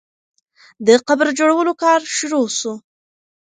د قبر جوړولو کار شروع سو.